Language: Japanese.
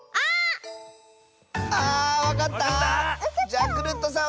じゃクルットさん